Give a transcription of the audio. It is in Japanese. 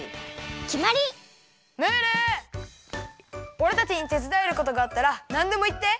おれたちにてつだえることがあったらなんでもいって！